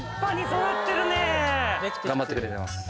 頑張ってくれてます。